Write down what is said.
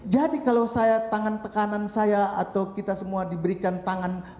jadi kalau saya tangan tekanan saya atau kita semua diberikan tangan